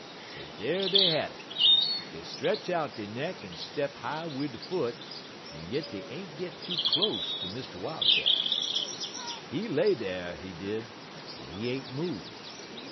So dar dey had it. Dey stretch out dey neck en step high wid dey foot, yit dey ain't git too close ter Mr. Wildcat. "He lay dar, he did, en he ain't move.